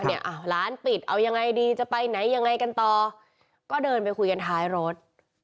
ร้านปิดเอายังไงดีจะไปไหนยังไงกันต่อก็เดินไปคุยกันท้ายรถ